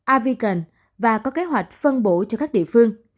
avigan và có kế hoạch phân bổ cho các địa phương